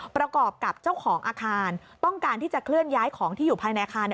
ประกอบกับเจ้าของอาคารต้องการที่จะเคลื่อนย้ายของที่อยู่ภายในอาคาร